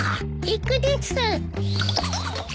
行くです。